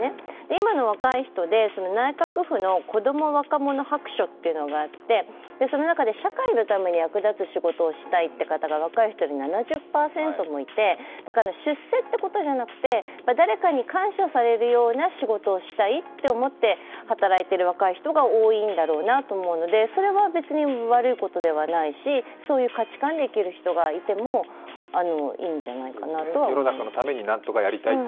今の若い人で内閣府の子供若者白書というのがあってその中で社会のために役立つ仕事をしたいという方が若い人で７０％もいて出世ということじゃなくて、誰かに感謝されるような仕事をしたいと思って働いている若い人が多いんだろうなと思うので、それは別に悪いことではないしそういう価値観で生きる人がいてもいいんじゃないかなと。